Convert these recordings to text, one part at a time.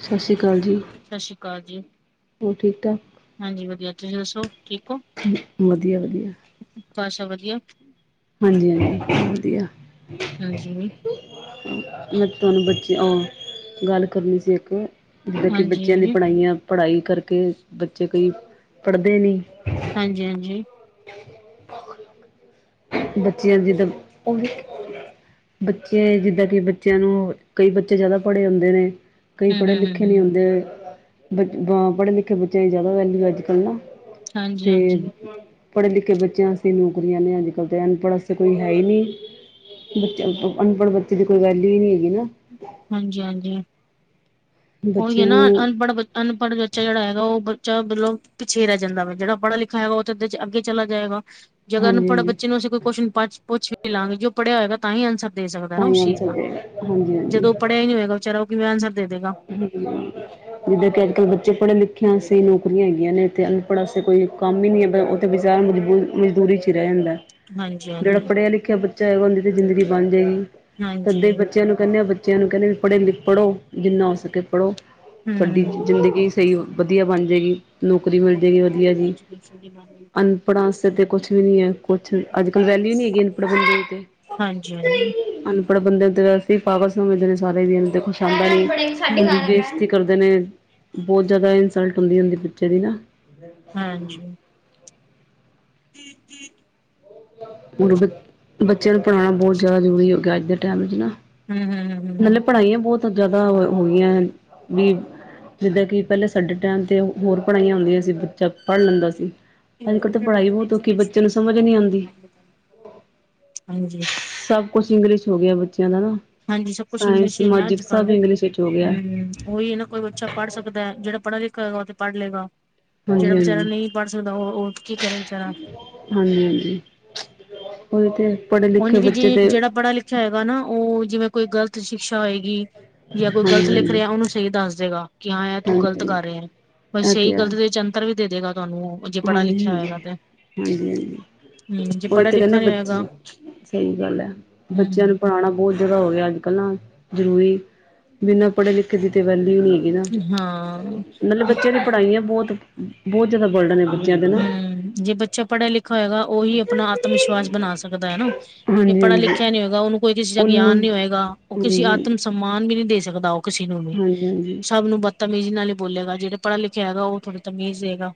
ਸਤਿ ਸ੍ਰੀ ਅਕਾਲ ਜੀ। ਸਤਿ ਸ਼੍ਰੀ ਅਕਾਲ ਜੀ ਹੋਰ ਠੀਕ ਠਾਕ ਹਾਂਜੀ ਵਧੀਆ, ਤੁਸੀਂ ਦੱਸੋ ਠੀਕ ਹੋ। ਵਧੀਆ, ਵਧੀਆ। ਘਰ ਸਭ ਵਧੀਆ। ਹਾਂਜੀ, ਹਾਂਜੀ ਵਧੀਆ। ਹਾਂਜੀ। ਮੈਂ ਤੁਹਾਨੂੰ ਬੱਚੀ ਅਹ ਗੱਲ ਕਰਨੀ ਸੀ ਇੱਕ। ਮਤਲਬ ਕਿ ਬੱਚਿਆਂ ਦੀ ਹਾਂਜੀ ਪੜ੍ਹਾਈਆਂ -ਪੜ੍ਹਾਈ ਕਰਕੇ ਬੱਚੇ ਕੋਈ ਪੜ੍ਹਦੇ ਨਹੀਂ। ਹਾਂਜੀ, ਹਾਂਜੀ। ਬੱਚਿਆਂ ਦੀ ਤਾ ਉਹ ਬੱਚੇ ਜਿੱਦਾਂ ਕਿ ਬੱਚਿਆਂ ਨੂੰ ਕਈ ਬੱਚੇ ਜ਼ਿਆਦਾ ਪੜ੍ਹੇ ਹੁੰਦੇ ਨੇ। ਕਈ ਹਮ ਪੜ੍ਹੇ ਹਮ ਹਮ ਲਿਖੇ ਨਹੀਂ ਹਮ ਹੁੰਦੇ ਪੜ੍ਹੇ ਲਿਖੇ ਬੱਚਿਆਂ ਦੀ ਜ਼ਿਆਦਾ ਵੈਲਿਊ ਅੱਜ ਕੱਲ ਨਾ। ਹਾਂਜੀ ਤੇ ਹਾਂਜੀ ਪੜ੍ਹੇ ਲਿਖੇ ਬੱਚਿਆਂ ਆਸਤੇ ਨੌਕਰੀਆਂ ਨੇ ਅੱਜ ਦੇ ਅਨਪੜ੍ਹ ਵਾਸਤੇ ਕੋਈ ਹੈ ਹੀ ਨਹੀਂ ਬੱਚੇ ਅਨਪੜ੍ਹ ਬੱਚੇ ਦੀ ਕੋਈ ਵੈਲਯੂ ਹੀ ਨਹੀਂ ਹੈਗੀ ਨਾ। ਹਾਂਜੀ, ਹਾਂਜੀ ਉਹੀ ਬੱਚਿਆਂ ਨਾ ਨੂੰ ਅਨਪੜ੍ਹ ਬੱਚੇ ਅਨਪੜ੍ਹ ਬੱਚਾ ਜਿਹੜਾ ਹੈਗਾ ਉਹ ਬੱਚਾ ਮਤਲਬ ਪਿੱਛੇ ਰਹਿ ਜਾਂਦਾ ਵਾ ਜਿਹੜਾ ਪੜ੍ਹਾ ਲਿਖਾ ਹੈਗਾ ਉਹ ਇਹਦੇ ਚ ਅੱਗੇ ਚਲਾ ਜਾਏਗਾ। ਜਦੋ ਹਾਂਜੀ ਅਨਪੜ੍ਹ ਹਾਂਜੀ ਬੱਚੇ ਨੂੰ ਅਸੀ ਕੋਈ ਕੁਸ਼ਨ ਪ ਪੁੱਛ ਵੀ ਲਵਾਂਗੇੇ। ਓ ਪੜ੍ਹਿਆ ਹੋਏਗਾ, ਤਾਂ ਈ ਆਂਸਰ ਦੇ ਸਕਦਾ ਨਾ ਤਾਂ ਹੀ ਓਸ ਚੀਜ਼ ਆਨਸਰ ਦਾ। ਦੇਗਾ ਹਾਂਜੀ ਹਾਂਜੀ ਜਦੋਂ ਓ ਪੜਿਆ ਨੀ ਹੋਏਗਾ, ਵਿਚਾਰਾ ਉਹ ਕਿਵੇਂ ਆਂਸਰ ਦੇਦੇਗਾ? ਹ ਜਿੱਦਾਂ ਕਿ ਅੱਜ-ਕੱਲ੍ਹ ਬੱਚੇ ਪੜ੍ਹੇ ਲਿੱਖੇ ਆਸਤੇ ਨੌਕਰੀਆਂ ਹੈਗੀਆਂ ਨੇ ਇੱਥੇ ਅਨਪੜ੍ਹ ਆਸਤੇ ਕੋਈ ਕੰਮ ਈ ਨਈ ਐ ਪਰ, ਉ ਤੇ ਬਿਚਾਰਾ ਮਜ਼ਬੂ ਮਜ਼ਦੂਰੀ ਚ ਹੀ ਰਹਿ ਜਾਂਦਾ। ਹਾਂਜੀ ਜੇੜਾ ਹਾਂਜੀ ਪੜ੍ਹਿਆ ਲਿਖਿਆ ਬੱਚਾ ਹੈਗਾ ਉਹਦੀ ਤੇ ਜ਼ਿੰਦਗੀ ਬਣ ਜਾਏਗੀ ਹਾਂਜੀ ਤਦੇ ਬੱਚਿਆਂ ਨੂੰ ਕਹਿੰਦੇ ਆ ਬੱਚਿਆਂ ਨੂੰ ਕਹਿੰਦੇ ਵੀ ਪੜ੍ਹੇ ਜਿਨਾ ਹੋ ਸਕੇ ਪੜ੍ਹੋ ਤੁਹਾਡੀ ਹਮ ਜ਼ਿੰਦਗੀ ਸਹੀ ਵਧੀਆ ਬਣ ਜਾਏਗੀ। ਨੌਕਰੀ ਮਿਲ ਇੰਪੋਰਟੈਂਟ ਆਫ [unintelligible] ਅਨਪੜਾ ਵਾਸਤੇ ਕੁਛ ਵੀ ਨੀ ਐ ਕੁਛ। ਅੱਜ-ਕੱਲ ਵੈਲਿਊ ਨੀ ਹੈਗੀ, ਅਨਪੜ੍ਹ ਬੱਚਿਆਂ ਦੀ ਤੇ ਹਾਂਜੀ, ਹਾਂਜੀ। ਅਨਪੜ੍ਹ ਬੰਦੇ ਪਾਵ ਸਮਝਦੇ ਨੇ, ਸਾਰੇ ਕੁਸ਼ ਹੂੰ, ਆਉਂਦਾ ਕਰਦੇ ਨੇ ਬੋਅ ਜ਼ਿਆਦਾ ਇਨਸਲਟ ਹੁੰਦੀ- ਹੁੰਦੀ ਬੱਚੇ ਦੀ ਨਾ। ਹਾਂਜੀ। [inaudible] ਹੁਣ ਬੱਚਿਆਂ ਨੂੰ ਪੜਾਨਾ ਬੋਹ ਜ਼ਿਆਦਾ ਜ਼ਰੂਰੀ ਹੋ ਗਿਆ ਆ ਅੱਜ ਦੇ ਟਾਈਮ ਚ ਨਾ। ਹੂੰ, ਹੂੰ, ਹੂੰ, ਹੂੰ ਨਾਲੇ ਪੜ੍ਹਾਈਆਂ ਬੋਤ ਜ਼ਿਆਦਾ ਹੋ ਗਈਆਂ ਵੀ ਜਿੱਦਾਂ ਕਿ, ਪਹਿਲੇ ਸਾਡੇ ਟਾਈਮ ਤੇ ਹੋਰ ਪੜ੍ਹਾਈਆਂ ਹੁੰਦੀਆਂ ਸੀ। ਬੱਚਾ ਪੜ੍ਹ ਲੈਂਦਾ ਸੀ। ਅੱਜ ਕੱਲ੍ਹ ਤਾਂ ਇੰਪੋਰਟੈਂਟ ਆਫ ਪੜ੍ਹਾਈ ਬਹੁਤ ਔਖੀ ਐਜੂਕੇਸ਼ਨ ਬੱਚੇ ਨੂੰ ਦੇ ਸਮਝ ਨਹੀਂ ਬਾਰੇ ਆਉਂਦੀ ਗੱਲ [unintelligible] ਹਾਂਜੀ ਸਭ ਕੁਛ ਇੰਗਲਿਸ਼ ਹੋ ਗਿਆ ਬੱਚਿਆਂ ਦਾ ਨਾ। ਹਾਂਜੀ ਸਭ ਕੁਛ ਸਾਇੰਸ, ਇੰਗਲਿਸ਼ ਈ ਨਾ ਮੈਜਿਕ ਸਭ ਇੰਗਲਿਸ਼ ਵਿੱਚ ਹੋ ਗਿਆ। ਅੱਜ-ਕੱਲ--ਹੂੰ ਓ ਈ ਨਾ ਕੋਈ ਬੱਚਾ ਪੜ੍ਹ ਸਕਦਾ। ਜਿਹੜਾ ਪੜ੍ਹਾ ਲਿਖਾ ਹੈਗਾ ਓ ਤੇ ਪੜ੍ਹ ਲੇਗਾ। ਜਿਹੜਾ ਵਿਚਾਰਾ ਹਾਂਜੀ-ਹਾਂਜੀ, ਨਹੀਂ ਪੜ੍ਹ ਸਕਦਾ ਓ ੳ ਕੀ ਕਰੇ? ਵਿਚਾਰਾ। ਹਾਂਜੀ-ਹਾਂਜੀ ਉਹੀ ਤੇ ਪੜ੍ਹੇ ਲਿਖੇ ਬੱਚੇ ਤੇ ਚਾਹੇ ਗਾ ਨਾ ਓ ਜਿਵੇਂ, ਕੋਈ ਗ਼ਲਤ ਸ਼ਿਕਸ਼ਾ ਹੋਏਗੀ ਯਾ ਕੋਈ ਗ਼ਲਤ ਲਿਖ ਹਾਂਜੀ-ਹਾਂਜੀ, ਰਿਹਾ ਓਨੂੰ ਸਹੀ ਦੱਸ ਦੇਗਾ। ਕਿ ਹਾਂ ਐ ਹਾਂਜੀ। ਤੂੰ ਗ਼ਲਤ ਹਾਂਜੀ ਕਰ ਰਿਹਾ। ਓ ਇਹ ਸਹੀ ਗਲਤ ਦੇ ਚ ਅੰਤਰ ਵੀ ਦੇ ਦੇਗਾ ਤੁਹਾਨੂੰ ਓ। ਹਾਂਜੀ-ਹਾਂਜੀ-ਹਾਂਜੀ-ਹਾਂਜੀ ਹੂੰ, ਜੇ ਓਹੀ ਪੜ੍ਹਾ ਤੇ ਕਹਿੰਨੇ ਲਿਖਾ ਨੀ ਹੋਏਗਾ ਬੱਚੇ ਸਹੀ ਗੱਲ ਐ। ਹੂੰ ਬੱਚਿਆਂ ਨੂੰ ਪੜ੍ਹਾਣਾ ਬੋਅ ਜਾਦਾ ਹੋ ਗਿਆ ਅੱਜ-ਕੱਲ੍ਹ ਨਾ ਜ਼ਰੂਰੀ ਬਿਨਾਂ ਪੜ੍ਹੇ ਲਿਖੇ ਕਿਸੀ ਦੀ ਵੈਲਯੂ ਨੀ ਹੈਗੀ ਨਾ। ਹਾਂ। ਮਤਲਬ ਬੱਚਿਆਂ ਦੀ ਪੜ੍ਹਾਈਆਂ ਬਹੁਤ ਬੋਅ ਜਾਦਾ ਭਰਡਨ ਏ। ਹੂੰ, ਜੇ ਬੱਚਾ ਪੜ੍ਹਿਆ ਲਿਖਿਆ ਹੋਏਗਾ ਓਈ ਆਪਣਾ ਆਤਮ ਵਿਸ਼ਵਾਸ ਬਣਾ ਸਕਦਾ ਐਨਾ। ਜੇ ਪੜ੍ਹਿਆ ਹਾਂਜੀ-ਹਾਂਜੀ, ਲਿਖਿਆ ਨੀ ਹੋਏਗਾ। ਓਨੂੰ ਕੋਈ ਕਿਸੇ ਦਾ ਉਹਨੂੰ ਗਿਆਨ ਨੀ ਹੋਏਗਾ। ਉਹ ਕਿਸੇ ਹਾਂਜੀ-ਹਾਂਜੀ, ਆਤਮ ਸਮਾਨ ਵੀ ਨੀ ਦੇ ਸਕਦਾ, ਓ ਕਿਸੇ ਨੂੰ ਵੀ ਹਾਂਜੀ-ਹਾਂਜੀ, ਸਭ ਨੂੰ ਬ ਤਮੀਜ਼ ਨਾਲ ਹੀ ਬੋਲੇਗਾ ਜਿਹੜੇ ਪੜ੍ਹਿਆ ਲਿਖਿਆ ਹੈਗਾ, ਓ ਥੋੜਾ ਤਮੀਜ਼ ਦੇਗਾ।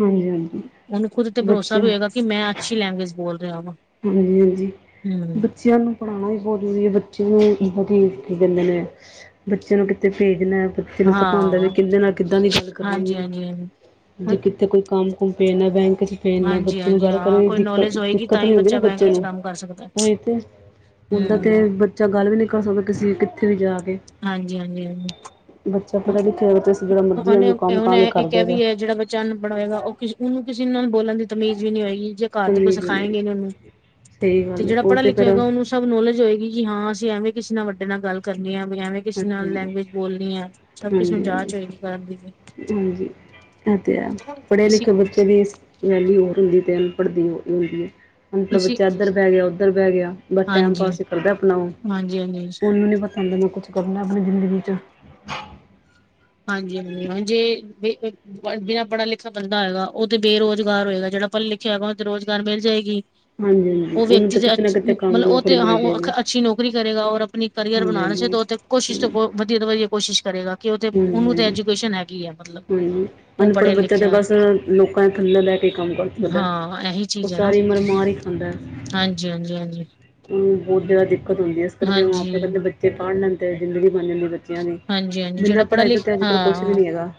ਹਾਂਜੀ, ਹਾਂਜੀ। ਓਨੂੰ ਖੁਦ ਤੇ ਭਰੋਸਾ ਵੀ ਹੋਏਗਾ ਕਿ ਮੈਂ ਅੱਛੀ ਲੈਂਗੁਏਜ ਬੋਲ ਰਿਆ ਵਾ। ਹਾਂਜੀ, ਹਾਂਜੀ ਹੂੰ ਬੱਚਿਆਂ ਨੂੰ ਪੜ੍ਹਾਣਾ ਵੀ ਬਹੁਤ ਜ਼ਰੂਰੀ ਐ ਬੱਚੇ ਨੂੰ, ਇਦਾਂ ਕਿ ਜਾਂਦੇ ਨੇ ਬੱਚਿਆਂ ਨੂੰ ਕਿਤੇ ਭੇਜਨਾ ਬੱਚੇ ਨੂੰ ਪਤਾ ਹੁੰਦਾ ਵੀ ਹਾਂ। ਕਿਦੇ ਨਾਲ ਕਿੱਦਾਂ ਦੀ ਗੱਲ ਕਰਨੀ ਐ। ਹਾਂਜੀ-ਹਾਂਜੀ, ਜੇ ਕਿੱਥੇ ਕੋਈ ਕੰਮ ਕੁਮ ਭੇਜਨਾ, ਬੈੱਕ ਚ ਭੇਜਨਾ ਬੱਚੇ ਨੂੰ ਹਾਂਜੀ-ਹਾਂਜੀ ਗੱਲ ਹਾਂ ਕਰਨ ਚ ਕੋਈ ਦਿਕਤ, ਨੌਲੇਜ ਹੋਏਗੀ ਦਿਕਤ ਤਾਂ [unintelligible] ਹੀ ਹੁੰਦੀ ਨਾ ਬੱਚਾ ਬੱਚੇ ਬੈਂਕ ਚ ਨੂੰ ਕੰਮ ਕਰ ਸਕਦਾ। ਹ ਤੇ ਹੁੰਦਾ ਤੇ ਹੂੰ, ਚਾ ਗੱਲ ਵੀ ਨਹੀਂ ਕਰ ਸਕਦੇ। ਤੁਸੀਂ ਕਿੱਥੇ ਵੀ ਜਾ ਕੇ ਹਾਂਜੀ-ਹਾਂਜੀ-ਹਾਂਜੀ, ਬੱਚਾ ਪੜ੍ਹਿਆ ਲਿਖਿਆ ਹੋਵੇ ਤੇ ਅਸੀਂ ਜਿਹੜਾ ਮਰਜ਼ੀ ਓਨੇ ਉਹਨੂੰ ਕੰਮ ਓਨੇ ਕਹਾਂਗੇ ਇਹ ਕਰ ਕਿ [unintelligible] ਹਿ ਦੇਗਾ ਵੀ ਹੈ ਜਿਹੜਾ ਚੰਨ ਬੜਾ ਹੋਏਗਾ, ਉਹ ਕਿਸੇ ਓਨੂੰ ਕਿਸੇ ਨਾਲ ਬੋਲਣ ਦੀ ਤਮੀਜ਼ ਵੀ ਨੀ ਹੋਏਗੀ ਜੇ ਘਰ ਦੇ ਕੋਈ ਤਮੀਜ਼ ਵੀ ਨਹੀਂ ਸਿਖਾਏਗੇ ਨੀ ਓਨੂੰ। ਸਹੀ ਤੇ, ਗੱਲ ਹੈ ਜਿਹੜਾ ਉਹ ਪੜ੍ਹਿਆ ਲਿਖਿਆ ਫਿਰ ਹੋਏਗਾ ਹਾਂਜੀ ਓਨੂੰ ਸਭ ਨੌਲੇਜ ਹੋਏਗੀ ਕਿ ਹਾਂ, ਅਸੀਂ ਐਵੇਂ ਕਿਸੇ ਨਾਲ ਵੱਡੇ ਨਾਲ ਗੱਲ ਕਰਨੀ ਐ, ਵੀ ਐਵੇਂ ਕਿਸੇ ਨਾਲ ਹਾਂਜੀ ਲੈਂਗੁਏਜ ਬੋਲਣੀ ਐ। ਸਭ ਕਿਸ ਨੂੰ ਹਾਂਜੀ ਹਾਂਜੀ ਜਾਚ ਹੋਏਗੀ ਕਰਨ ਦੀ ਵੀ ਹਾਂਜੀ ਐ ਤੇ ਹੈ, ਪੜ੍ਹੇ ਇਸ ਲਿਖੇ ਬੱਚੇ ਵੀ [unintelligible] ਲੀ ਹੋਰ ਹੁੰਦੀ ਤੇ ਅਨਪੜ੍ਹ ਦੀ ਹੁੰਦੀ ਹੈ ਹੁਨ ਤੇ ਇਸ ਬੱਚਾ ਏਧਰ ਬਹਿ ਗਿਆ ਉੱਧਰ ਬਹਿ ਗਿਆ ਬਸ ਟੈਮ ਪਾਸ ਹੀ ਕਰਦਾ ਅਪਣਾ ਓ [unintelligible] ਹਾਜੀਸ ਕਦੇ ਮੈਂ ਕੁਛ ਕਰਨਾ ਅਪਨੀ ਜ਼ਿੰਦਗੀ ਚ ਹਾਂਜੀ ਹਾਂਜੀ ਹਾਂ ਜੇ ਬਿਨਾਂ ਪੜ੍ਹਾ ਲਿਖਾ ਬੰਦਾ ਹੈਗਾ ਉਹ ਤੇ ਬੇਰੁਜ਼ਗਾਰ ਹੋਏਗਾ ਜਿਹੜਾ ਪੜ੍ਹੇ ਲਿਖਿਆ ਹੈਗਾ ਉਹਨਾਂ ਤੇ ਰੁਜ਼ਗਾਰ ਮਿਲ ਜਾਏਗੀ ਹਾਂਜੀ ਹਾਂਜੀ ਉਹ ਉਹਨੂੰ ਵਿਅਕਤੀ ਤਾਂ ਤੇ ਕਿਤੇ ਨਾ ਕਿਤੇ ਅ ਕੰਮ ਮਤਲਬ ਓ ਨੌਕਰੀ ਤੇ ਹਾਂ ਮਿਲ ਓ ਜਾਏਗੀ ਅੱਛੀ ਨੌਕਰੀ ਕਰੇਗਾ ਔਰ ਅਪਨੀ ਕਰੀਅਰ ਹਾਂਜੀ ਬਣਾਣ ਚ ਹਾਂਜੀ ਦੋ ਕੋਸ਼ਿਸ਼ ਹਾਂਜੀ ਵਧੀਆ ਤੋਂ ਵਧੀਆ ਕੋਸ਼ਿਸ਼ ਕਰੇਗਾ ਕਿ ਓ ਤੇ ਓਨੂੰ ਤੇ ਹਾਂਜੀ ਐਜੂਕੇਸ਼ਨ ਹੈਗੀ ਏ। ਹਾਂਜੀ, ਅਨਪੜ੍ਹ ਬੱਚਿਆਂ ਤੇ ਬਸ ਲੋਕਾਂ ਦੇ ਥੱਲੇ ਬੈ ਕੇ ਕੰਮ ਕਰ ਸਕਦੇ। ਹਾਂ ਇਹੀ ਉਹ ਚੀਜ਼ ਹੈ ਨਾ ਸਾਰੀ ਉਮਰ ਮਾਰ ਹੀ ਖਾਂਦਾ ਹਾਂਜੀ ਹਾਂਜੀ ਹਾਂਜੀ ਬਹੁਤ ਜ਼ਿਆਦਾ ਦਿੱਕਤ ਹੁੰਦੀ ਹੈ, ਇਸ ਕਰਕੇ ਹਾਂਜੀ ਮਾਪੇ ਕਹਦੇ ਬੱਚੇ ਪੜ੍ਹ ਲੈਂਦੇ ਜ਼ਿੰਦਗੀ ਬਣ ਜਾਂਦੀ ਬਚ ਬੱਚਿਆਂ ਦੀ, ਹਾਂਜੀ ਹਾਂਜੀ ਜਿਹੜਾ ਬਿਨਾਂ ਪੜ੍ਹਾ ਪੜ੍ਹਾਈ ਦੇ ਲਿਖ ਤੇ ਅੱਜ ਕੱਲ ਕੁਛ ਵੀ ਹਾਂ ਨੀ ਹੈਗਾ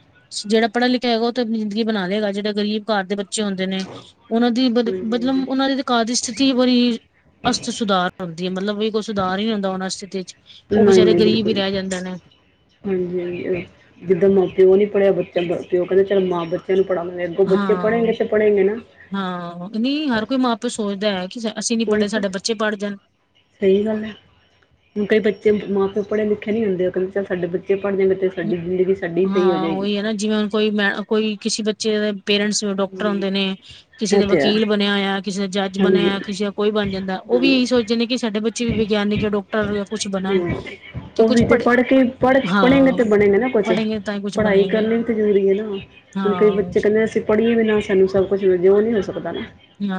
ਜਿਹੜਾ ਪੜਿਆ ਲਿਖਿਆ ਹੋਏਗਾ ਉਹ ਤੇ ਅਪਨੀ ਜ਼ਿੰਦਗੀ ਬਣਾ ਲੇਗਾ, ਜੇਹੜਾ ਗਰੀਬ ਘਰ ਦੇ ਬੱਚੇ ਹੁੰਦੇ ਨੇ, ਉਹਨਾਂ ਦੀ [unintelligible] ਹਾਂਜੀ ਹਾਂਜੀ ਮਤਲਬ ਉਹਨਾਂ ਦੀ ਘਾਰ ਦੀ ਸਥਿਤੀ ਬੜੀ ਅਸਥ ਸੁਧਾਰ ਹੁੰਦੀ ਹੈ ਮਤਲਬ ਕੋਈ ਸੁਧਾਰ ਹੀ ਹੁੰਦਾ ਉਹਨਾਂ ਸਥਿਤੀ ਚ ਉਹ ਨਹੀਂ ਬਚਾਰੇ ਨਹੀਂ ਗ਼ਰੀਬ ਬਿਲਕੁਲ ਹੀ ਨਹੀਂ ਰਹਿ ਜਾਂਦੇ ਨੇ ਹਾਂਜੀ ਹਾਂਜੀ ਜਿੱਦਾਂ ਮਾਂ ਪਿਓ ਨੀ ਪੜ੍ਹਿਆ ਬੱਚਾ ਪਿਓ ਕਹਿੰਦੇ ਚਲ ਮਾਂ ਬੱਚਿਆਂ ਨੂੰ ਪੜ੍ਹਾ ਲ ਉਹ ਬੱਚੇ ਹਾਂ ਪੜ੍ਹੇਗੇੇ ਤੇ ਪੜੇਂਗੇੇ ਨਾ ਹਾਂ ਨੀ ਹਰ ਕੋਈ ਮਾਂ ਪਿਓ ਸੋਚਦਾ ਹੈ ਕਿ ਅਸੀਂ ਨੀ ਉਹੀ ਪੜ੍ਹੇ ਤੇ ਸਾਡੇ ਬੱਚੇ ਪੜ੍ਹ ਜਾਣ ਸਹੀ ਗੱਲ ਏ, ਹੁਨ ਕਈ ਬੱਚੇ ਮਾਂ ਪਿਓ ਪੜ੍ਹੇ ਲਿਖੇ ਨੀ ਹੁੰਦੇ ਉਹ ਕਹਿੰਦੇ ਚੱਲ ਸਾਡੇ ਬੱਚੇ ਪੜ੍ਹ ਜਾਂਗੇ ਸਾਡੀ ਜ਼ਿੰਦਗੀ ਸਾਡੀ ਸਹੀ ਹੋ ਹਾਂ ਜਾਏਗੀ ਉਹੀ ਹੈ ਨਾ ਜਿਵੇਂ ਹੁਨ ਕੋਈ ਮੈਂ ਕੋਈ ਕਿਸੇ ਬੱਚੇ ਦੇ ਪੇਰੈਂਟਸ ਡਾਕਟਰ ਜੀ ਹੌਦੇ ਨੇ, ਕਿਸੇ ਇਹ ਦਾ ਤੇ ਹੈ ਵਕੀਲ ਬਨਿਆ ਹੋਇਆ ਕਿਸੇ ਦਾ ਜੱਜ ਹਾਂਜੀ ਬਨਿਆ ਕਿਸੇ ਕੋਈ ਬਣ ਜਾਂਦਾ, ਉਹ ਵੀ ਹਾਂਜੀ ਇਹੀ ਸੋਚਦੇ ਨੇ ਕਿ ਸਾਡੇ ਬੇ ਵਿਗਿਆਨੀਕ ਯਾ ਡਾਕਟਰ ਕੁਛ ਬਣਨ ਤੇ ਉਹ ਕੁਛ ਪੜ੍ਹੇ, ਹਾਂ ਬਣੇ ਨੇ ਨਾ ਕੁਛ, ਪੜ੍ਹੇਗੇ ਤਾਂ ਹੀ ਕੁਛ ਪੜ੍ਹਾਈ ਬਣੇਗੇ ਕਰਨ ਲਈ ਤੇ ਵੀ ਜ਼ਰੂਰੀ ਹੈ ਨਾ ਹਾਂ ਹੁਣ ਕਈ ਬੱਚੇ ਹਾਂਜੀ ਕਹਿੰਦੇ ਅਸੀਂ ਪੜ੍ਹੀਏ ਵੀ ਨਾ ਸਾਨੂੰ ਸਭ ਕੁਛ ਜੇ ਉ ਨੀ ਹੋ ਸਕਦਾ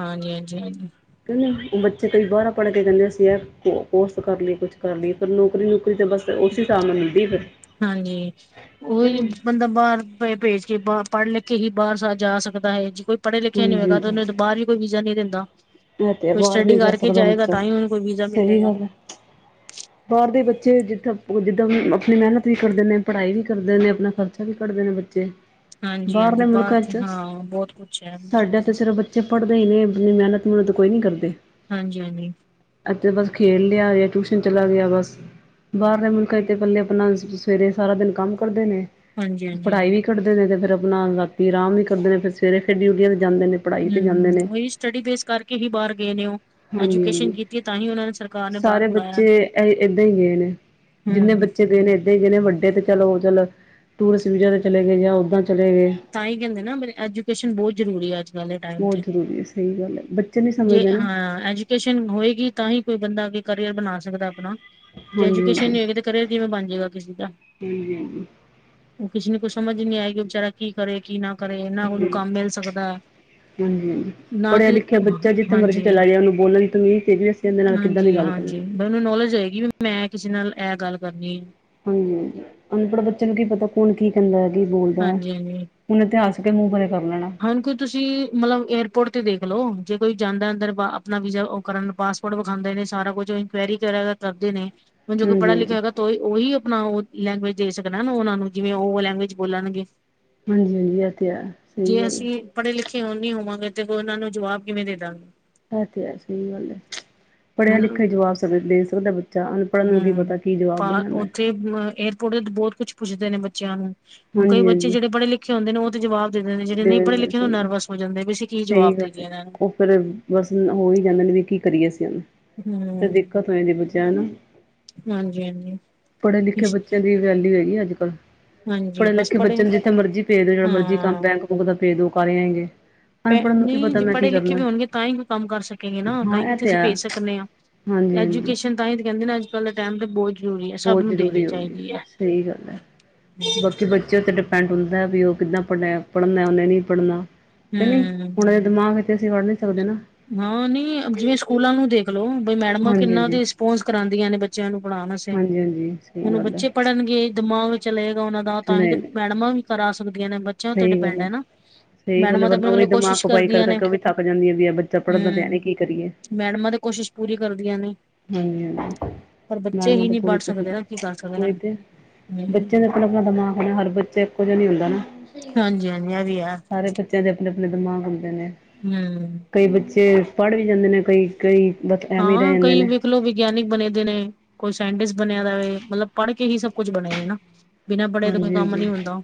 ਹਾਂਜੀ ਹਾਂ [unintelligible] ਕਿਉਂਕ ਉਹ ਬੱਚੇ ਕਈ ਬਾਹਰਾਂ ਪੜ੍ਹ ਕੇ [unintelligible] ਕੋਸ ਕਰ ਲਈਏ ਕੁਛ ਕਰ ਲਈਏ ਫਿਰ ਨੌਕਰੀ ਨੁਕਰੀ ਤੇ ਬਸ ਉਸ ਹਿਸਾਬ ਨਾਲ ਮਿਲਦੀ ਫਿਰ ਹਾਂਜੀ ਕਿ ਉਹੀ ਨਹੀਂ ਬੰਦਾ ਬਾਹਰ ਭੇਜ ਕੇ ਬਾਹ ਪੜ੍ਹ ਲਿਖ ਕੇ ਹੀ ਬਾਹਰ ਜਾ ਸਕਦਾ ਹੈ। ਜੇ ਕੋਈ ਪੜ੍ਹਿਆ ਲਿਖਿਆ ਨੀ ਹਾਂਜੀ ਹੋਏਗਾ ਤੇ ਉਹਨੂੰ ਬਾਹਰ ਵੀ ਕੋਈ ਵੀਜ਼ਾ ਨਹੀਂ ਦਿੰਦਾ ਮ ਤੇ ਕੋਈ ਬਾਹਰ ਵੀ ਸਟੱਡੀ ਨਹੀਂ ਜਾ ਕਰਕੇ ਸਕਦਾ ਜਾਏਗਾ ਬੱਚਾ ਤਾਂ ਹੀ ਉਹਨੂੰ ਕੋਈ ਵੀਜ਼ਾ ਸਹੀ ਮਿਲੇਗਾ। ਗੱਲ ਹੈ। ਬਾਹਰ ਦੇ ਬੱਚੇ ਜਿੱਥਾਂ ਜਿੱਦਾਂ ਆਪਣੀ ਮਿਹਨਤ ਵੀ ਕਰਦੇ ਨੇ ਪੜ੍ਹਾਈ ਵੀ ਕਰਦੇ ਨੇ ਆਪਣਾ ਖਰਚਾ ਵੀ ਕੱਢਦੇ ਨੇ ਅਤੇੇ ਹਾਂਜੀ ਹਾਂਜੀ, ਬਾਹਰ ਹਾਂ ਬਹੁਤ ਕੁਛ ਹੈ ਬਾਹਰ। ਚੇ ਪੜ੍ਹਦੇ ਹੀ ਨੇ ਇਨੀ ਮਿਹਨਤ ਮਿਹਨਤ ਕੋਈ ਨੀ ਕਰਦੇ ਹਾਂਜੀ ਹਾਂਜੀ, ਅਤੇਥ ਬਸ ਖੇਡ ਲਿਆ ਗਿਆ ਟਿਊਸ਼ਨ ਚਲਾ ਗਿਆ ਬਸ। ਬਾਹਰਲੇ ਮੁਲਕਾਂ ਚ ਤੇ ਪੱਲੇ ਆਪਣਾ ਸਵੇਰੇ ਸਾਰਾ ਦਿਨ ਕੰਮ ਕਰਦੇ ਨੇ। ਹਾਂਜੀ-ਹਾਂਜੀ ਪੜ੍ਹਾਈ ਵੀ ਕਰੱਢਦੇ ਨੇ ਤੇ ਫੇਿਰ ਆਪਣਾ ਰਾਤੀ ਆਰਾਮ ਵੀ ਕਰਦੇ ਨੇ ਫਿਰ ਸਵੇਰੇ ਫਿਰ ਡਿਊਟੀਆਂ ਤੇ ਜਾਂਦੇ ਨੇ। ਪੜ੍ਹਾਈ ਤੇ ਹਮ ਜਾਂਦੇ ਨੇ। ਉਹੀ ਸਟੱਡੀ ਬੇਸ ਕਰਕੇ ਹੀ ਬਾਹਰ ਗਏ ਨੇ ਉਹ। ਹਾਂਜੀ ਐਜੂਕੇਸ਼ਨ ਹਾਂਜੀ ਕੀਤੀ ਤਾਂ ਹੀ ਉਹਨਾਂ ਨੇ ਸਰਕਾਰ ਨੇ ਬਾਹਰ ਸਾਰੇ ਬੁਲਾਇਆ ਬੱਚੇ ਏਦਾਂ ਹੀ ਗਏ ਨੇ। ਜਿੰਨੇ ਹਮ। ਬੱਚੇ ਗਏ ਨੇ ਜਿਹਨੇ ਵੱਡੇ ਤੇ ਚਲੋ ਚਲ ਟੂਰਿਸਟ ਵੀਜ਼ਾ ਤੇ ਚਲੇ ਗਏ ਜਾਂ ਉੱਦਾਂ ਚਲੇ ਗਏ। ਤਾਂ ਹੀ ਕਹਿੰਦੇ ਨਾ ਮ ਐਜੂਕੇਸ਼ਨ ਬਹੁਤ ਜ਼ਰੂਰੀ ਆ ਅੱਜ। ਕੱਲ੍ਹ ਦੇ ਟਾਈਮ ਬਹੁਤ ਤੇ। ਜ਼ਰੂਰੀ ਹੈ ਸਹੀ ਗੱਲ ਹੈ ਬੱਚ ਜੇ ਹਾਂ ਐਜੂਕੇਸ਼ਨ ਹੋਏਗੀ ਤਾਂ ਹੀ ਕੋਈ ਬੰਦਾ ਕਰੀਅਰ ਬਣਾ ਸਕਦਾ ਆਪਣਾ ਜੇ ਐਜੂਕੇਸ਼ਨ, ਨਹੀਂ ਹਾਂਜੀ-ਹਾਂਜੀ, ਹੋਏਗੀ ਤਾਂ। ਕਰੀਅਰ ਕਿਵੇਂ ਬਣ ਜਾਏਗਾ, ਕਿਸੇ ਦਾ। ਹਾਂਜੀ-ਹਾਂਜੀ। ਉਹ ਕਿਸੇ ਨ ਨੂੰ, ਕੁਛ ਸਮਝ ਨੀ ਆਏਗੀ। ਉਹ ਵਿਚੇਾਰਾ, ਕੀ ਕਰੇ ਕੀ ਨਾ। ਕਰੇ ਨਾ ਉਹਨੂੰ, ਕੰਮ ਮਿਲ ਸਕਦਾ। ਹਾਂਜੀ ਹਾਂਜੀ ਨਾ ਪੜ੍ਹਿਆ ਕਿ ਲਿਖਿਆ ਬੱਚਾ ਜਿੱਥੇ ਮਰਜ਼ੀ, ਹਾਂਜੀ ਚਲਾ ਜਾਣੇ। ਉਹਨੂੰ ਬੋਲਣ ਦੀ ਤਾਂੂੰ ਮਂਹ ਵੀ ਦੱਸਿਆ, ਕਹਦੇ ਨਾਲ, ਕਿੱਦਾਂ ਦੀ ਗੱਲ ਕਰਨੀ ਏ। ਫੇਰ ਉਹਨੂੰ, ਨੌਲੇਜ ਹੋਏਗੀ, ਵੀ ਮੈਂ ਕਿਸੇ ਨਾਲ, ਇਹ ਗੱਲ ਕਰਨੀ ਹੈ। ਹਾਂਜੀ ਹਾਂਜੀ ਅਨਪੜ੍ਹ ਬੱਚੇ ਨੂੰ ਕੀ ਪਤਾ ਕੌਣ ਕੀ ਕਹਿੰਦਾ ਹੈ ਕੀ ਬੋਲਦਾ ਹੈ। ਹਾਂਜੀ ਹਾਂਜੀ ਹੁਣ ਇਤਿਹਾਸ ਕੇ ਮੂੰਹ ਬਾਰੇ ਕਰ ਲੈਣਾ। ਹੁਣ ਕੋਈ ਤੁਸੀਂ, ਮਤਲਬ ਏਅਰਪੋਰਟ ਤੇ ਦੇਖਲੋ, ਜੇ ਕੋਈ ਜਾਂਦਾ ਅੰਦਰ, ਆਪਣਾ ਵੀਜ਼ਾ ਉਹ ਕਰਨ ਪਾਸ। ੋੜ ਵਿਖਾਉਦੇ ਨੇ, ਸਾਰਾ ਕੁਝ ਇਨਕੁਇਰੀ ਵਗਰਾ, ਕਸਦੇ ਨੇ ਜੋ ਕਿ ਹਾਂਜੀ ਪੜਾ ਹਾਂਜੀ ਲਿਖਿਆ ਨੀ ਹੋਏਗਾ। ਉਹੀ ਆਪਣਾ, ਉਹ ਲੈਂਗੁਏਜ ਦੇ, ਸਕਦਾ ਨਾ ਉਹਨਾਂ ਨੂੰ। ਜਿਵੇਂ ਉਹ ਲੈਂਗੁਏਜ ਬੋਲਣਗੇ। ਹਾਂਜੀ- ਹਾਂਜੀ, ਇਹ ਤੇ ਹੈ। ਜੇ ਸਹੀ ਗੱਲ ਅਸੀਂ ਹੈ ਪੜੇ- ਲਿਖੇ, ਹੂਨ ਨਹੀਂ ਹੋਵਾਂਗੇ। ਤੇ ਉਹਨਾਂ ਨੂੰ, ਜਵਾਬ ਕਿਵੇਂ ਦੇ ਦਾਂਗੇ। ਐ ਤੇ ਹੈ, ਸਹੀ ਗੱਲ ਹੈ। ਪੜਿਆ- ਹੁਣ ਲਿਖਿਆ ਹੀ ਜਵਾਬ ਦੇ ਸਕਦਾ। ਬ ਾ ਅਨਪੜਨ, ਨੂੰ ਕੀ ਪਤਾ। ਹੂੰ ਕੀ ਪਾ ਜਵਾਬ ਦੇਣਾ ਮੈਂ। ਉੱਥੇ ਏਅਰਪੋਰਟ ਤੇ ਤਾਂ, ਉ ਬਹੁਤ ਕੁੱਛ ਪੁੱਛਦੇ ਨੇ, ਬੱਚਿਆਂ ਨੂੰ। ਹੁਣ ਕਈ ਹਾਂਜੀ ਬੱਚੇ ਹਾਂਜੀ ਜਿਹੜੇ ਪੜੇ- ਲਿਖੇ ਹੁੰਦੇ ਨੇ, ਉਹ ਤੇ ਜਵਾਬ। ਦੇ ਦਿੰਦੇ ਨੇ। ਜਿਹੜੇ ਦੇ ਨਹੀਂ ਪੜੇ- ਦਿੰਦੇ ਲਿਖੇ ਓਹ ਸਹੀ ਨਰਵਸ ਹੋ ਜਾਂਦੇ, ਵੀ ਅਸੀਂ ਕੀ ਜਵਾਬ ਦੇਿੰਏ ਇਹਨਾਂ ਨੂੰ। ਫੇਰ ਬਸ ਹੋ, ਹੀ ਜਾਂਦੇ ਨੇ, ਵੀ ਕੀ ਕਰੀਏ ਅਸੀਂ ਹੁਨ। ਹੂੰ। ਤ ਬੱਚਿਆ ਨੂੰ, ਹਾਂਜੀ-ਹਾਂਜੀ ਪੜੇ- ਲਿਖੇ, ਬੱਚਿਆਂ ਦੀ ਵੈਲਿਊ ਹੈਗੀ ਅੱਜ ਕੱਲ। ਹਾਂਜੀ ਬਸ ਪੜੇ-ਲਿਖੇ ਪੜ੍ਹੇ ਬੱਚੇ ਨੂੰ, ਜਿੱਥੇ ਮਰਜ਼ੀ ਭੇਜ ਦਿਓ। ਜਿਹੜਾ ਮਰਜ਼ੀ ਕੰਮ, ਹਾਂ ਬੈਂਕ- ਬੁਂਕ ਦਾ ਪੇਜ ਦਿਓ ਕੁਰੀ ਆਣਗੇ ਪ ਨਹੀਂ ਜੇ ਪੜੇ- ਲਿਖੇ ਵੀ ਹੋਣਗੇ, ਤਾਂ ਹੀ ਕੋਈ ਕੰਮ ਕਰ ਸਕੇਗੇ ਨਾ। ਤਾਂ ਹਾਂ ਹੀ ਇਹ ਕਿੱਥੇ, ਤੇ ਅਸੀਂ ਹੈ ਭੇਜ ਸਕਦੇ ਹਾਂ। ਹਾਂਜੀ- ਹਾਂਜੀ। ਤਾਂ ਹੀ ਤੇ, ਕਹਿੰਦੇ ਨਾ। ਅੱਜ ਕੱਲ ਦੇ ਟਾਈਮ ਬਹੁਤ ਜ਼ਰੂਰੀ ਹੈ ਸਭ ਬਹੁਤ ਨੂੰ ਦੇਣੀ ਜ਼ਰੂਰੀ ਹੋ ਗਈ ਏ। ਚਾਹੀਦੀ ਹੈ ਸਹੀ ਗੱਲ ਹੈ, ਬਾਕੀ ਬੱਚੇ ਤੇ ਡਿਫੈਂਡੈਂ ਹੁੰਦਾ ਵੀ, ਉਹ ਕਿੱਦਾਂ ਪੜਨਾ। ਪੜਨਾ ਉਹਨੇ ਨਹੀਂ ਪੜਨਾ, ਤੇ ਨਹੀਂ ਹੂੰ ਹੁਣ ਦੇ ਦਿਮਾਗ। ਤੇ ਅਸੀਂ, ਵੜ ਨਹੀਂ ਸਕਦੇ ਨਾ। ਹਾਂ ਨੀ, ਜਿਵੇਂ ਸਕੂਲਾਂ ਨੂੰ ਦੇਖਲੋ। ਬਣੀ ਮੈਡਮਾਂ ਹਾਂਜੀ ਕਿੰਨਾ ਦੇ ਹਾਂਜੀ ਰਿਸਪੋਂਸ, ਕਰਾਉਂਦੀਆਂ ਨੇ। ਬੱਚਿਆਂ ਨੂੰ ਪੜਾਣ ਆਸੇ। ਹਾਂਜੀ ਹਾਂਜੀ ਸਹੀ ਹੁਣ ਗੱਲ ਹੈ ਬੱਚੇ ਪੜਨਗੇ। ਦਿਮਾਗ ਵੀ, ਚਲੇਗਾ ਉਹਨਾਂ ਦਾ। ਤਾਂ ਹੀ ਤੇ, ਨਹੀਂ ਨਹੀਂ ਮੈਡਮਾਂ ਵੀ ਕਰਾ ਸਕਦੀਆਂ ਨੇ। ਬੱਚਿਆਂ ਉਤੇ, ਸਹੀ ਗੱਲ ਡਿਪੈਂਡ ਹੈ ਨਾ। ਸਹੀ ਗੱਲ ਮੈਡਮਾਂ ਤੇ ਵਰਨਾ ਆਪਣੇ ਉਹ ਵੀ ਵੱਲੋਂ ਦਿਮਾਗ ਕੋਸ਼ਿਸ਼ ਖਪਾਈ ਕਰ ਕਰਦੀਆਂ ਨੇ। ਕਰਕੇ ਉਹ ਵੀ ਥੱਕ ਜਾਂਦੀ ਹੈ, ਵੀ ਆ ਬੱਚ ਹੂੰ, ਮੈਡਮਾਂ ਤੇ, ਕੋਸ਼ਿਸ਼ ਪੂਰੀ ਕਰਦੀਆਂ ਨੇ। ਹਾਂਜੀ ਹਾਂਜੀ ਪਰ ਬੱਚੇ ਮੈਡਮਾਂ ਹੀ, ਤਾਂ ਨਹੀਂ ਪੂਰੀ ਪੜ ਸਕਦੇ ਨਾ। ਕੀ ਕੋਸ਼ਿਸ਼ ਕਰ ਸਕਦੇ ਆ। ਉਹੀ ਤੇ ਹੂੰ। ਬੱਚਿਆਂ ਦੇ ਆਪਣਾ ਦਿਮਾਗ ਨਾ। ਹਰ ਬੱਚੇ ਇੱਕੋ, ਜਿਹਾ ਨਹੀਂ ਹੁੰਦਾ ਨਾ। ਹਾਂਜੀ- ਹਾਂਜੀ, ਵਦੀਆਂ। ਸਾਰੇ ਬੱਚਿਆਂ ਦੇ, ਆਪਣੇ- ਆਪਣੇ ਦਿਮਾਗ ਹੁੰਦੇ ਨੇ। ਹੂੰ। ਕਈ ਬੱਚੇ ਪੜ ਵੀ, ਜਾਂਦੇ ਨੇ ਕਈ। ਕਈ ਬ ਹਾਂ ਕਈ। ਲ ਵਿਗਿਆਨਿਕ ਬਣੇ ਦੇ ਨੇ, ਕੋਈ ਸਾਇੰਟਿਸਟ ਬਣਿਆ ਦਾ ਵੇ, ਮਤਲਬ ਪੜ ਕੇ ਹੀ, ਸਭ ਕੁੱਝ ਬਣੇ ਨੇ ਨਾ। ਬਿਨਾਂ ਪੜੇ, ਤੋਂ ਕੋਈ ਹਾਂਜੀ ਕੰਮ ਹਾਂਜੀ ਨਹੀਂ ਹੁੰਦਾ।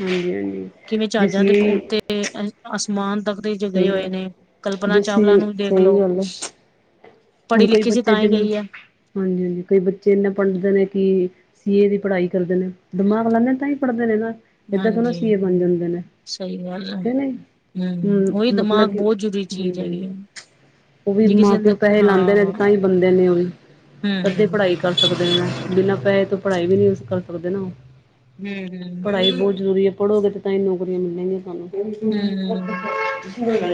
ਹਾਂਜੀ ਹਾਂਜੀ ਕਿਵੇਂ ਜਿਸ ਚਾਜਾਂ ਦੇ ਲਈ ਉੱਤੇ। ਤੇ ਅ ਅਸਮਾਨ, ਤਕ ਦੇ ਵਿੱਚ ਗਿਣੇ, ਸਹੀ ਹੋਏ ਨੇ। ਗੱਲ ਕਲਪਨਾ ਜਿਸ ਚਾਵਲਾ, ਲਈ ਨੂੰ ਹੀ ਸਹੀ ਦੇਖਲੋ। ਗੱਲ ਹੈ ਹੁਣ, ਪੜ੍ਹੀ ਕੋਈ ਲਿਖੀ ਸੀ ਬੱਚੇ ਤਾਂ ਜਿਹੜੇ। ਹੈ ਹਾਂਜੀ- ਹਾਂਜੀ। ਕਈ ਬੱਚੇ ਇੰਨਾ, ਪੜਦੇ ਨੇ ਕਿ, ਸੀ ਏ, ਦੀ ਪੜਾਈ ਕਰਦੇ ਨੇ। ਦਿਮਾਗ ਲੈਂਦੇ, ਤਾਂਹੀ ਪੜਦੇ ਨੇ ਨਾ। ਏਦਾਂ ਥੋੜੀ ਨਾ ਹਾਂਜੀ ਸੀਏ, ਬਣ ਜਾਂਦੇ ਨੇ। ਸਹੀ ਗੱਲ ਹੈ ਕੇ ਨਹੀਂ। ਹਮ ਹੂੰ, ਉਹੀ ਦਿਮਾਗ ਮਤਲਬ ਕਿ, ਬਹੁਤ ਜ਼ਰੂਰੀ ਚੀਜ਼ ਹਾਂਜੀ ਹੈਗੀ ਹੈ ਉਹ ਵੀ, ਜੇ ਕਿਸੇ ਮਾਂ ਪਿਓ ਅੰਦਰ ਪੈ ਪੈਸੇ ਲਾਉਂਦੇ ਨੇ ਹਾਂ ਤਾਂ ਹੀ, ਬੰਦੇ ਨੇ ਉਹ ਵੀ, ਅੱਧੀ ਹਮ ਪੜਾਈ ਕਰ ਸਕਦੇ ਨੇ ਨਾ। ਬਿਨਾਂ ਪੈਸੇ ਤੋਂ ਪੜਾਈ ਵੀ, ਨਹੀਂ ਕਰ ਸਕਦੇ ਨਾ ਉਹ। ਹਮ ਪੜੲਈ ਬਹੁਤ ਜ਼ਰੂਰੀ ਹੈ। ਪੜੋਗੇ ਤੇ ਤਾਂ ਹੀ, ਨੌਕਰੀਆਂ ਮਿਲਣਗੀਆਂ ਸਾਨੂੰ। ਹਮ ਹਾਂ।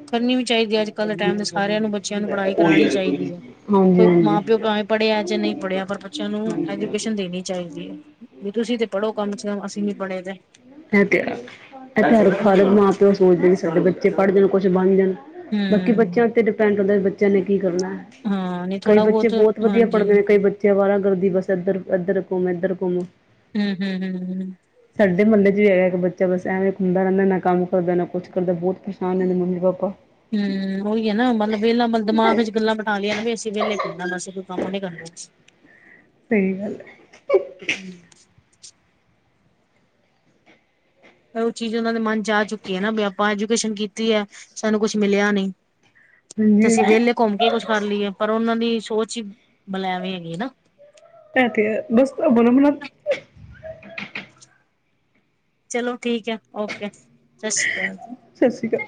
[unintelligible] ਕਰਨੀ ਵੀ ਚਾਹੀਦੀ ਅੱਜ। ਅੱਜ ਕੱਲ ਦੇ ਟਾਈਮ ਦੇ ਸਾਰਿਆਂ ਨੂੰ ਬੱਚਿਆਂ ਨੂੰ ਪੜ੍ਹਾਈ ਕਰਾਉਣੀ ਚਾਹੀਦੀ ਹੈ ਹਾਂਜੀ ਕੋਈ ਹਾਂਜੀ ਮਾਂ ਪਿਓ ਭਾਵੇਂ ਪੜ੍ਹਿਆ ਜੇ ਨਹੀਂ ਪੜ੍ਹਿਆ ਪਰ। ਬੱਚਿਆਂ ਨੂੰ ਹਾਂਜੀ ਹਾਂਜੀ ਐਜੂਕੇਸ਼ਨ ਦੇਣੀ ਚਾਹੀਦੀ ਹੈ ਵੀ ਤੁਸੀਂ ਤੇ ਪੜ੍ਹੋ ਕਮ ਸ ਕਮ ਅਸੀਂ ਨੀ ਪੜੇ ਤੇ। ਇਹ ਤੇ ਇਹ ਪਰ ਹਰ ਮਾਂ ਪਿਓ ਸੋਚਦੇ ਵੀ ਸਾਡੇ ਬੱਚੇ ਪੜ੍ਹ ਜਾਣ ਕੁਛ ਬਣ ਜਾਣ। ਬਾਕੀ ਹਮ ਬੱਚਿਆਂ ਉੱਤੇ, ਡਿਪੈਂਡ ਹੁੰਦਾ ਬੱਚਿਆਂ ਨੇ ਕੀ ਕਰਨਾ। ਹਾਂ ਨਹੀਂ ਕਈ ਥੋੜਾ ਬੱਚੇ ਬਹੁਤ ਵਧੀਆ ਹਾਂਜੀ ਪੜਦੇ ਨੇ। ਕਈ ਬੱਚ ਉਥੇ ਅਵਾਰਾ ਗਰਦੀ ਬੱਸ ਇੱਧਰ ਇੱਧਰ ਘੁੰਮ ਇੱਧਰ ਘੁੰਮ। ਹੂ ਹੂ ਹੂ,,, ਸਾਡੇ ਮੁਹੱਲੇ 'ਚ ਹੈਗਾ ਇੱਕ ਬੱਚਾ ਬਸ ਐਵੇਂ ਖੁੰਦਾ ਰਹਿੰਦਾ ਨਾ ਕੰਮ ਕਰਦਾ ਨਾ ਕੁਛ ਕਰਦਾ ਬਹੁਤ ਪਰੇਸ਼ਾਨ ਰਹਿੰਦੇ ਮੰਮੀ ਪਾਪਾ। ਹੂ ਉਹੀ ਹੈ ਨਾ ਮਤਲਬ ਵਿਹਲਾ ਮਤਲਬ ਦਿਮਾਗ ਚ ਗੱਲਾਂ ਬਿਠਾ ਲੀਆ ਨਾ ਵੀ ਅਸੀਂ ਵਹਲੇ ਘੁੰਮਣਾ ਵਸੇ ਕੋਈ ਕੰਮ ਉਹਨੇ ਕਰਨਾ। [inaudible] ਸਹੀ ਗੱਲ ਹੈ। ਹਮ ਪਰ ਉਹ ਚੀਜ਼ ਉਹਨਾਂ ਦੇ ਮਨ ਜਾ ਚੁੱਕੀ ਹੈ ਨਾ ਵੀ ਆਪਾਂ ਐਜੂਕੇਸ਼ਨ ਕੀਤੀ ਹੈ ਸਾਨੂੰ ਕੁਛ ਮਿਲਿਆ ਨਹੀਂ। ਤੇ ਹਾਂਜੀ ਅਸੀਂ ਹਾਂਜੀ ਵਿਹਲੇ ਘੁੰਮ ਕੇ ਕੁਛ ਕਰ ਲਈਏ ਪਰ ਉਹਨਾਂ ਦੀ ਸੋਚ ਹੀ ਬੁਲੈਵੇਂ ਹੈਗੀ ਨਾ। ਇਹ ਤੇ ਬਸ ਬਲ ਮਨਾ। ਚਲੋ ਠੀਕ ਹੈ ਓਕੇ ਸਤਿ ਸ਼੍ਰੀ ਅਕਾਲ। ਸਤਿ ਸ਼੍ਰੀ ਅਕਾਲ।